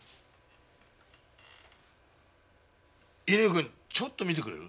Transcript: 乾君ちょっと見てくれる？